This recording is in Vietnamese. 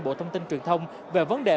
bộ thông tin truyền thông về vấn đề